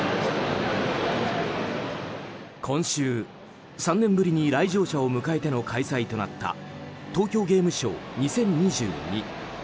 今週、３年ぶりに来場者を迎えての開催となった東京ゲームショウ２０２２。